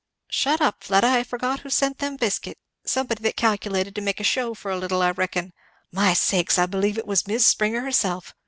"Shut up, Fleda, I forget who sent them biscuit somebody that calculated to make a shew for a little, I reckon. My sakes! I believe it was Mis' Springer herself!